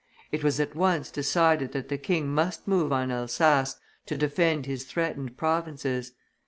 It was at once decided that the king must move on Elsass to defend his threatened provinces.